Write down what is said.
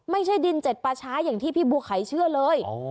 ไม่ใช่ดินเจ็ดป่าช้าอย่างที่พี่บัวไข่เชื่อเลย